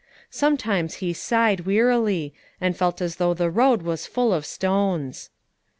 Sometimes he sighed wearily, and felt as though the road was full of stones.